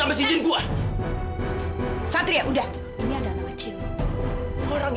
dan katherine juga lari ke tempat be descubran mu